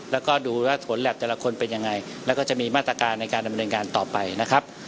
แล้วก็ดูว่าผลแล็บแต่ละคนเป็นยังไงแล้วก็จะมีมาตรการในการดำเนินการต่อไปนะครับ